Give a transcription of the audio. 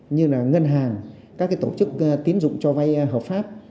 như là ngân hàng các tổ chức tiến dụng cho vay hợp pháp